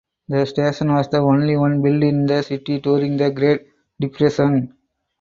The station was the only one built in the city during the Great Depression.